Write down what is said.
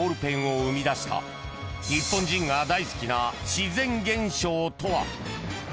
生み出した日本人が大好きな自然現象とは？］